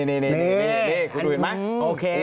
นี่กูดูเห็นไหม